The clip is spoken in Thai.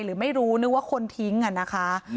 หรือไม่รู้นึกว่าคนทิ้งอ่ะนะคะ